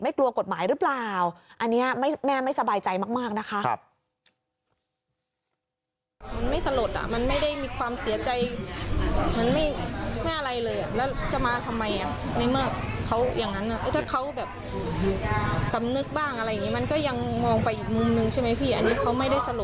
กลัวกฎหมายหรือเปล่าอันนี้แม่ไม่สบายใจมากนะคะ